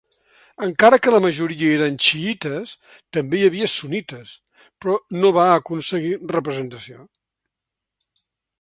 Encara que la majoria eren xiïtes també hi havia sunnites, però no va aconseguir representació.